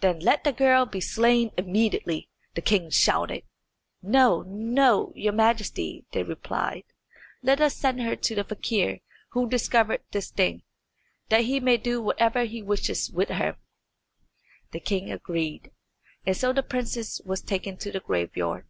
"Then let the girl be slain immediately," the king shouted. "No, no, your Majesty," they replied. "Let us send her to the fakir who discovered this thing, that he may do whatever he wishes with her." The king agreed, and so the princess was taken to the graveyard.